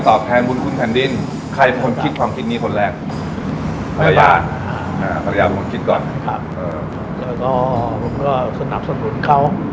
ตอบแทนบุญคุณทานดินใครฝนคิดความคิดนี้คนแรก